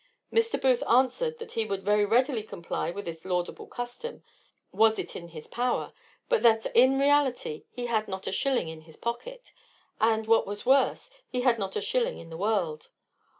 Mr. Booth answered that he would very readily comply with this laudable custom, was it in his power; but that in reality he had not a shilling in his pocket, and, what was worse, he had not a shilling in the world.